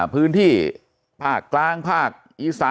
มีถึงแปด